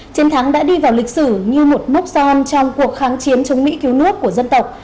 chiến thắng đã đi vào lịch sử như một mốc son trong cuộc kháng chiến chống mỹ cứu nước của dân tộc